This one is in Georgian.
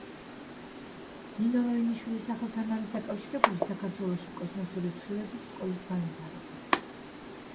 ნინო როინიშვილის სახელთან არის დაკავშირებული საქართველოში კოსმოსური სხივების სკოლის განვითარება.